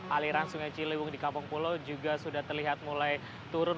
aliran sungai ciliwung di kampung pulo juga sudah terlihat mulai turun